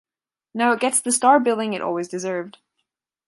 Now it gets the star billing it always deserved.